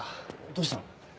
どうしたの？